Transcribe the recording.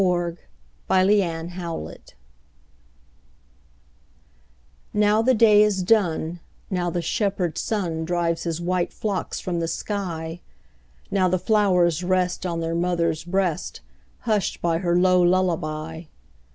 Louisa May Alcott Lullaby NOW the day is done, Now the shepherd sun Drives his white flocks from the sky; Now the flowers rest On their mother's breast, Hushed by her low lullaby.